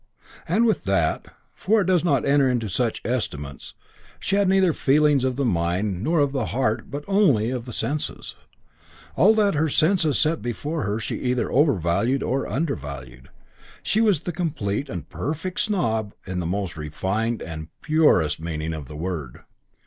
And with that, for it does not enter into such estimates, she had neither feelings of the mind nor of the heart but only of the senses. All that her senses set before her she either overvalued or undervalued: she was the complete and perfect snob in the most refined and purest meaning of the word.